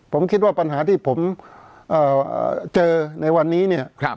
ผมคิดว่าปัญหาที่ผมเจอในวันนี้เนี่ย